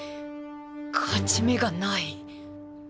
勝ち目がない！